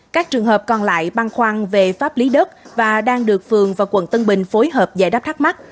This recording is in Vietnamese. các trường hợp còn lại băng khoăn về pháp lý đất và đang được phường và quận tân bình phối hợp giải đáp thắc mắc